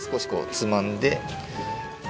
つまんで。